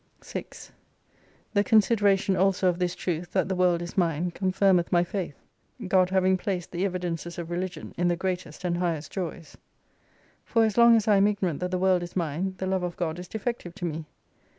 6 The consideration also of this truth, that the world is mine, confirmeth my faith. God having placed the evidences of Religion in the greatest and highest joys. For as long as I am ignorant that the World is mine, the love of God is defective to me.